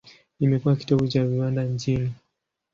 Imekuwa kitovu cha viwanda nchini.